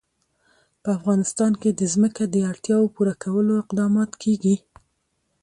په افغانستان کې د ځمکه د اړتیاوو پوره کولو اقدامات کېږي.